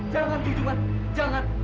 jangan junjungan jangan